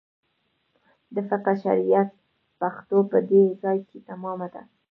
د فقه شریعت پښتو په دې ځای کې تمامه ده.